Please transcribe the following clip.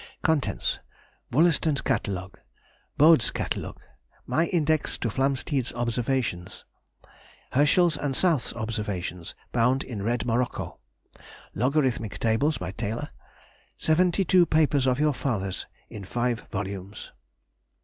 Contents:— Wollaston's Catalogue. Bode's Catalogue. My Index to Flamsteed's Observations. Herschel's and South's Observations, bound in red morocco. Logarithmic Tables by Taylor. Seventy two Papers of your father's, in five volumes.